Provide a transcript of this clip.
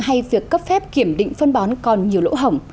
hay việc cấp phép kiểm định phân bón còn nhiều lỗ hỏng